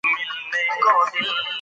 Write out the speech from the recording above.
د سړي لور شه او خبرې مه کوه.